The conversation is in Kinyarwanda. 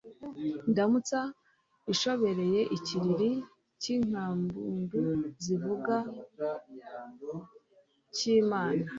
Indamutsa ishoreye ikiriri cy' inkaImpundu zivuga mu cy' Imana